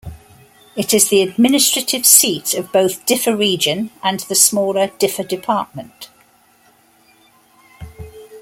It is the administrative seat of both Diffa Region, and the smaller Diffa Department.